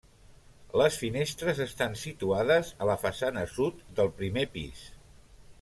Les finestres estan situades a la façana sud del primer pis.